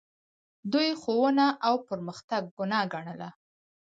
دوی ښوونه او پرمختګ ګناه ګڼله